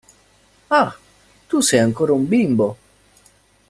Ah, tu sei ancora un bimbo!